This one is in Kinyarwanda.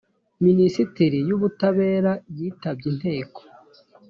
minisiteri y’ubutabera yitabye inteko